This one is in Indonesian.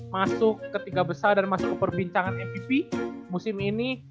masuk ke tiga besar dan masuk ke perbincangan mvp musim ini